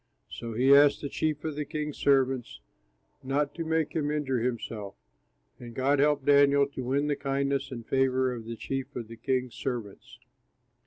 So he asked the chief of the king's servants not to make him injure himself. And God helped Daniel to win the kindness and favor of the chief of the king's servants.